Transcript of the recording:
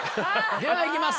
では行きます